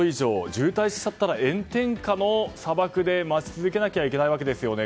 渋滞しちゃったら炎天下の砂漠で待ち続けなければいけないんですよね。